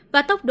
và tốc độ